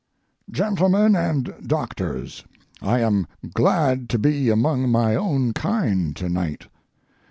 GENTLEMEN AND DOCTORS,—I am glad to be among my own kind to night.